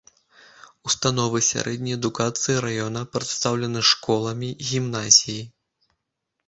Установы сярэдняй адукацыі раёна прадстаўлены школамі, гімназіяй.